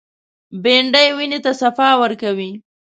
بېنډۍ وینې ته صفا ورکوي